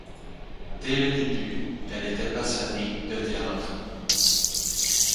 Dès le début, elle était passionnée de théâtre.